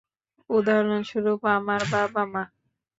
উদাহরণস্বরূপ, আমার বাবা-মা।